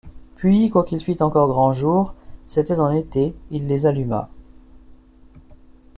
Puis, quoiqu’il fît encore grand jour, c’était en été, il les alluma.